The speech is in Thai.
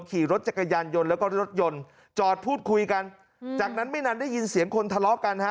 ขี่รถจักรยานยนต์แล้วก็รถยนต์จอดพูดคุยกันจากนั้นไม่นานได้ยินเสียงคนทะเลาะกันฮะ